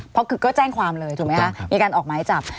เพราะคือก็แจ้งความเลยถูกไหมคะมีการออกหมายจับ